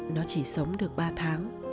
nó chỉ sống được ba tháng